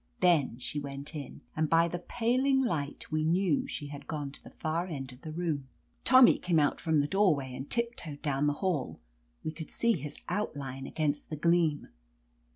Then she went in, and by the paling light we knew she had gone to the far end of the room. Tommy came out from the doorway and tip toed down the hall. We could see his outline against the gleam.